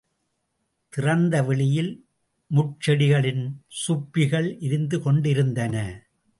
திறந்த வெளியில், முட்செடிகளின் சுப்பிகள் எரிந்து கொண்டிருந்தன.